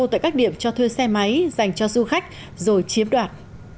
tại các điểm cho thuê xe máy dành cho du khách rồi chiếm đoạt